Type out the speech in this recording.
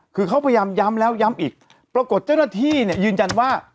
คือเขาพยายามย้ำแล้วย้ำอีกปรากฏเจ้าหน้าที่เนี่ยยืนยันว่า